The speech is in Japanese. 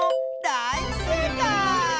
だいせいかい！